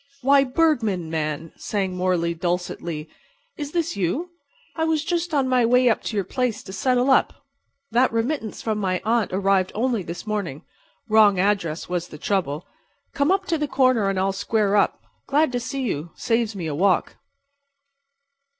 "Why, Bergman, man," sang Morley, dulcetly, "is this you? I was just on my way up to your place to settle up. That remittance from my aunt arrived only this morning. Wrong address was the trouble. Come up to the corner and I'll square up. Glad to see you. Saves me a walk."